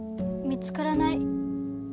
見つからない。